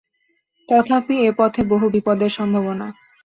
তথাপি এ পথে বহু বিপদের সম্ভাবনা।